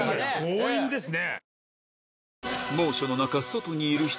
強引ですね。